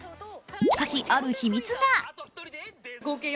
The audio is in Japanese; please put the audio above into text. しかし、ある秘密が。